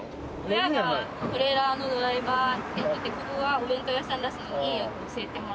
親がトレーラーのドライバーやっててここがお弁当屋さん出すのにいいよって教えてもらって。